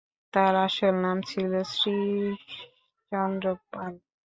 তার আসল নাম ছিল শ্রীশচন্দ্র পাল।